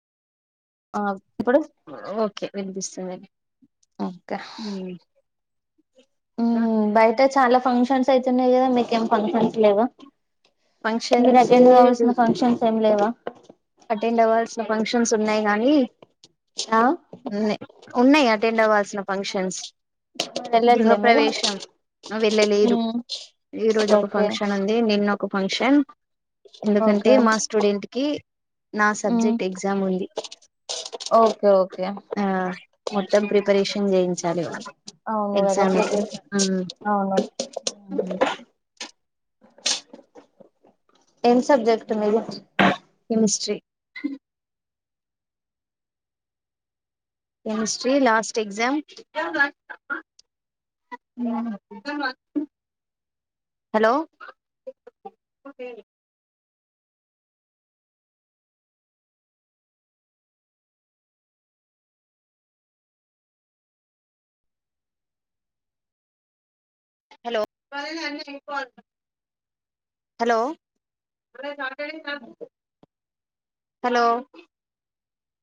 ఆ ఓకే వినిపిస్తు స ఒకే ఇంకా బయట చాలా ఫంక్షన్స్ అయితున్నాయి కదా మీకేం ఫంక్షన్స్ లేవా మీరు ఫంక్షన్స్ అటెండ్ కావాల్సిన ఫంక్షన్ ఏమి లేవా అటెండ్ అవ్ల్సిన ఫంక్షన్స్ ఉన్నాయి గానీ ఆ ఉన్నాయి అటెండ్ అవ్వాల్సిన ఫంక్షన్ హేన్స్ గృహ వెళ్ళట్లే మీరు ప్రవేశం వెళ్ళలేదు మ్మ్ ఈ రోజు ఒక ఓకే ఫంక్షన్ ఉంది నిన్న ఒక ఫంక్షన్ ఎందుకంటే ఓకే మా స్టూడెంట్ కి నా మ్మ్ సబ్జెక్ట్ ఎగ్జామ్ ఉంది ఓకే ఓకే ఆ మొత్తం ప్రీ ప్రిపరేషన్ చేయించాలి అవును కదా ఎగ్జామ్ కి అవును ఏం సబ్జెక్ట్ మీది విష్ చెయ్ chemistry last exam hello hello hello hello